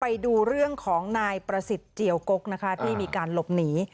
ไปดูเรื่องของนายประสิทธิ์เจียวกกนะคะที่มีการหลบหนี